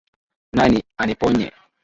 Nani aniponye?